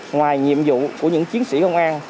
ngoài nhiệm vụ của những chiến sĩ công an